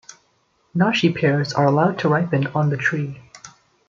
Nashi pears are allowed to ripen on the tree.